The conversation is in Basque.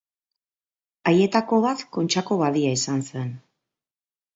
Haietako bat Kontxako badia izan zen.